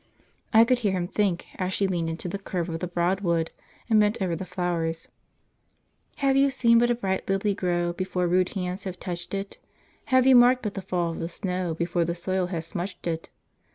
I could hear him think, as she leaned into the curve of the Broadwood and bent over the flowers 'Have you seen but a bright lily grow Before rude hands have touched it? Have you marked but the fall of the snow Before the soil hath smutched it?